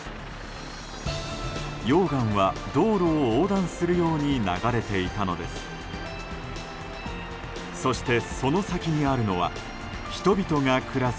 溶岩は道路を横断するように流れていたのです。